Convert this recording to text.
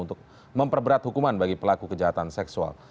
untuk memperberat hukuman bagi pelaku kejahatan seksual